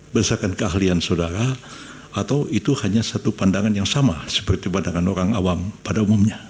berdasarkan keahlian saudara atau itu hanya satu pandangan yang sama seperti pandangan orang awam pada umumnya